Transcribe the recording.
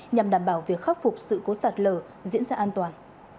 nhằm đảm bảo việc khắc phục sự cố sạt lở diễn ra an toàn